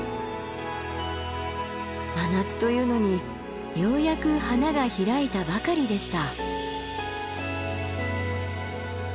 真夏というのにようやく花が開いたばかりでした。